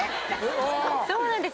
そうなんです。